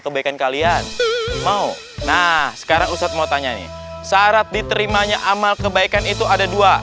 kebaikan kalian mau nah sekarang ustadz mau tanya nih syarat diterimanya amal kebaikan itu ada dua